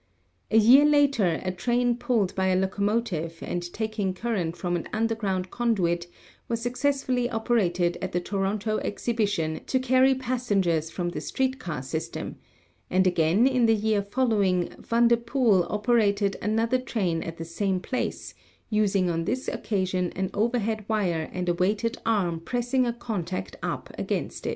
A year later a train pulled by a locomotive and taking current from an underground conduit was successfully operated at the Toronto Exhibition to carry passengers from the street car system, and again in the year follow ing Van Depoele operated another train at the same place, using on this occasion an overhead wire and a weighted arm pressing a contact up against it.